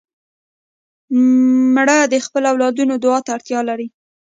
مړه د خپلو اولادونو دعا ته اړتیا لري